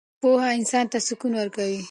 پوهه انسان ته سکون ورکوي.